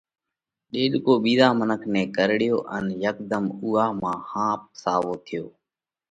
ڏيڏڪو ٻِيزا منک نئہ ڪرڙيو ان هيڪڌم اُوئا ماڳ ۿاپ ساوو ٿيو۔